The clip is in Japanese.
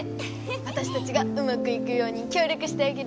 わたしたちがうまくいくようにきょう力してあげる。